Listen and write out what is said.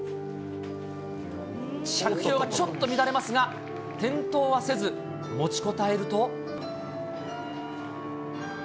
着氷がちょっと乱れますが、転倒はせず、持ちこたえると。